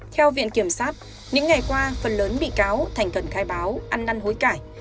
theo viện kiểm sát những ngày qua phần lớn bị cáo thành cần khai báo ăn năn hối cải